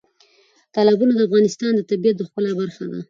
تالابونه د افغانستان د طبیعت د ښکلا برخه ده.